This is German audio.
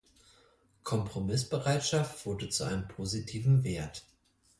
Kompromissbereitschaft wurde zu einem positiven Wert.